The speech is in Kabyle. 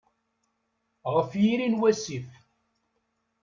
Ɣef yiri n wasif.